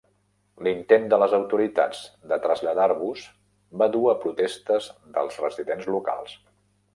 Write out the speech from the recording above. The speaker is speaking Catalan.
L'intent de les autoritats de traslladar-los va duu a protestes dels residents locals.